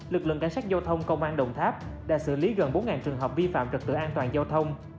lực lượng cảnh sát giao thông công an đồng tháp đã xử lý gần bốn trường hợp vi phạm trật tự an toàn giao thông